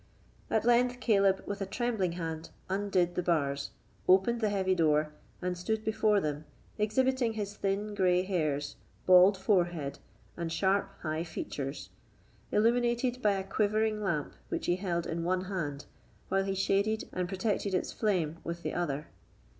At length Caleb, with a trembling hand, undid the bars, opened the heavy door, and stood before them, exhibiting his thin grey hairs, bald forehead, and sharp high features, illuminated by a quivering lamp which he held in one hand, while he shaded and protected its flame with the other.